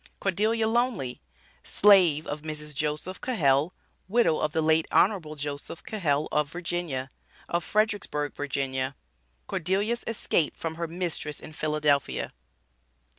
CORDELIA LONEY, SLAVE OF MRS. JOSEPH CAHELL (WIDOW OF THE LATE HON. JOSEPH CAHELL, OF VA.), OF FREDERICKSBURG, VA. CORDELIA'S ESCAPE FROM HER MISTRESS IN PHILADELPHIA.